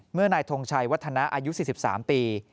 นายทงชัยวัฒนาอายุ๔๓ปี